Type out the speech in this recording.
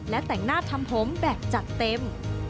และแต่งหน้าทำผมแบบจัดเต็ม